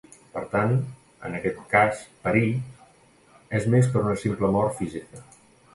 Per tant, en aquest cas "perir" és més que una simple mort física.